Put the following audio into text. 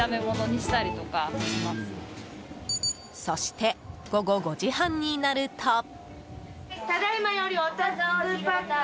そして、午後５時半になると。